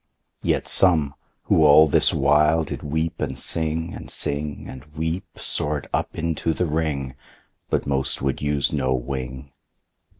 4. Yet some, who all this while did weep and sing, And sing, and weep, soar'd up into the Ring, But most would use no wing.